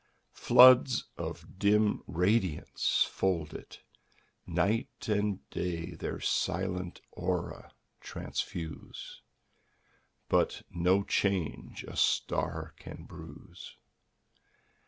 Floods of dim radiance fold it ; Night and day their silent aura transfuse, But no change a star oan bruise.